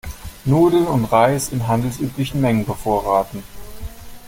Nudeln und Reis in handelsüblichen Mengen bevorraten.